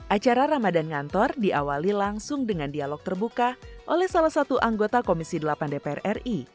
acara ramadan ngantor diawali langsung dengan dialog terbuka oleh salah satu anggota komisi delapan dpr ri